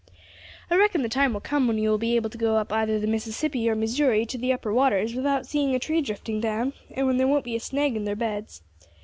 "I reckon the time will come when you will be able to go up either the Mississippi or Missouri to the upper waters without seeing a tree drifting down, and when there won't be a snag in their beds.